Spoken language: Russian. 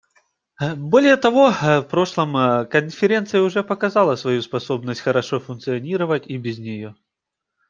Более того, в прошлом Конференция уже показала свою способность хорошо функционировать и без нее.